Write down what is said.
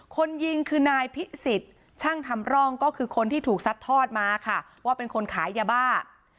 คนยิงคือนายพิสิทธิ์ช่างทำร่องก็คือคนที่ถูกซัดทอดมาค่ะว่าเป็นคนขายยาบ้า